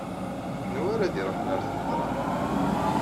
Anwa ara d-iruḥen ɣer tmeɣra?